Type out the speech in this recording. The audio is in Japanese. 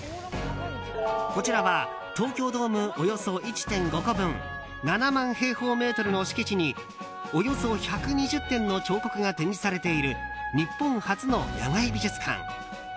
こちらは東京ドームおよそ１．５個分７万平方メートルの敷地におよそ１２０点の彫刻が展示されている日本初の野外美術館。